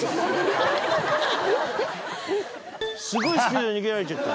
すごいスピードで逃げられちゃった。